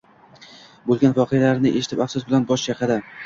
Bo`lgan voqealarni eshitib afsus bilan bosh chayqadi